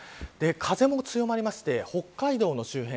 風も強まりまして北海道の周辺